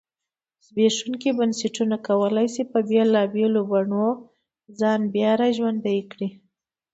زبېښونکي بنسټونه کولای شي چې بېلابېلو بڼو ځان بیا را ژوندی کړی.